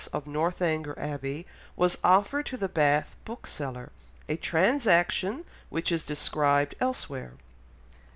of Northanger Abbey was offered to the Bath bookseller, a transaction which is described elsewhere.